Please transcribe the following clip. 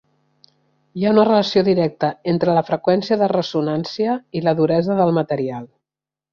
Hi ha una relació directa entre la freqüència de ressonància i la duresa del material.